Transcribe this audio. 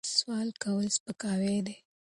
سوال کول سپکاوی دی.